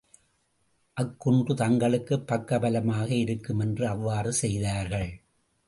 அக்குன்று தங்களுக்குப் பக்க பலமாக இருக்கும் என்று அவ்வாறு செய்தார்கள்.